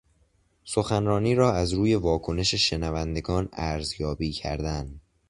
سخنرانی را از روی واکنش شنوندگان ارزیابی کردن